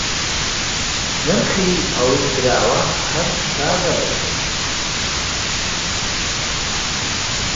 نرخی ئەو دراوە هەر دادەبەزێت